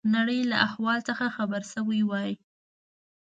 نړۍ له احوال څخه خبر شوي وای.